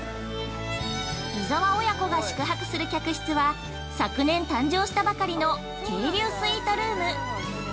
◆伊沢親子が宿泊する客室は昨年誕生したばかりの渓流スイートルーム。